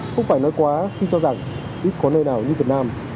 không phải nói quá khi cho rằng ít có nơi nào như việt nam